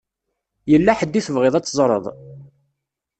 Yella ḥedd i tebɣiḍ ad teẓṛeḍ?